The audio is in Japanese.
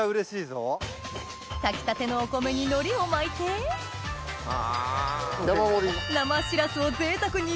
炊きたてのお米にノリを巻いて山盛り。